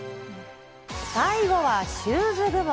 最後はシューズ部門。